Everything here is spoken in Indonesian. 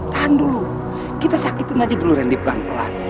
tahan dulu kita sakitin aja dulu randy pelan pelan